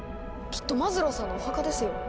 きっとマズローさんのお墓ですよ！